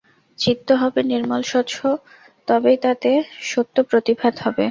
চিত্ত হবে নির্মল স্বচ্ছ, তবেই তাতে সত্য প্রতিভাত হবে।